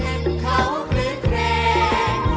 เล่นเขาคืนเครน